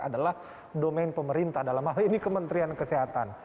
adalah domain pemerintah dalam hal ini kementerian kesehatan